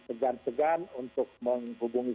segan segan untuk menghubungi